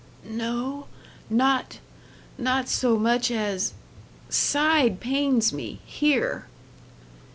"No not not so much as Side pains me here."